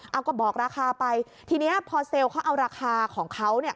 เอาก็บอกราคาไปทีนี้พอเซลล์เขาเอาราคาของเขาเนี่ย